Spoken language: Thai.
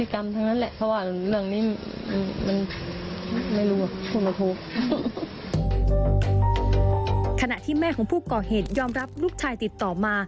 ขณะที่แม่ของผู้ก่อเหตุยอมรับลูกชายติดต่อมา